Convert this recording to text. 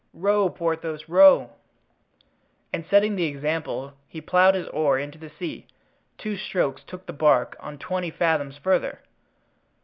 Row, Porthos, row." And setting the example he plowed his oar into the sea; two strokes took the bark on twenty fathoms further.